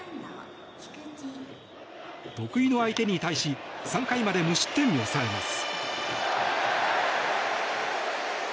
得意の相手に対し３回まで無失点に抑えます。